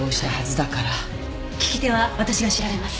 利き手は私が調べます。